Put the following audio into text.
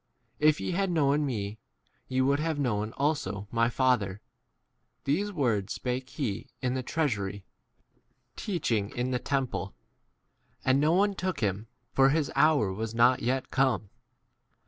If ye had known me, ye would have known 20 also my Father. These words spake he f in the treasury, teach ing in the temple; and no one took him, for his hour was not yet 21 come.